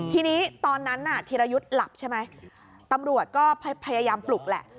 ทีนี้ตอนนั้นน่ะธีรยุทธ์หลับใช่ไหมตำรวจก็พยายามปลุกแหละ